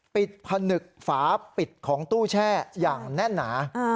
ผนึกฝาปิดของตู้แช่อย่างแน่นหนา